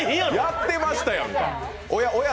やってましたやんか。